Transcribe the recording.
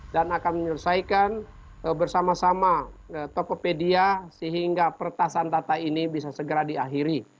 dan akan menyelesaikan bersama sama tokopedia sehingga pertasan data ini bisa segera diakhiri